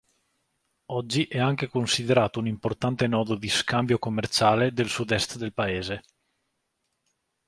Oggi è anche considerato un importante nodo di scambio commerciale del sud-est del paese.